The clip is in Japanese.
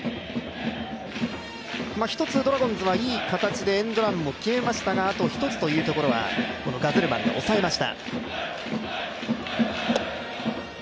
１つドラゴンズはいい形でエンドランも決めましたが、あと１つというところはガゼルマンが抑えました。